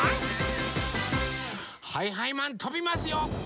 はいはいマンとびますよ！